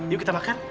yuk kita makan